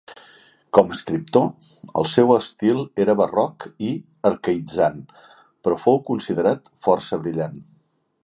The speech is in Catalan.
Com a escriptor, el seu estil era barroc i arcaïtzant, però fou considerat força brillant.